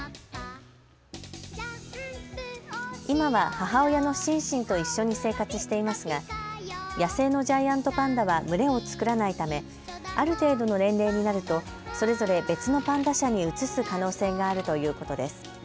今は母親のシンシンと一緒に生活していますが野生のジャイアントパンダは群れを作らないためある程度の年齢になるとそれぞれ別のパンダ舎に移す可能性があるということです。